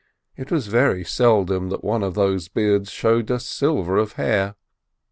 It was very seldom one of these beards showed a silver hair.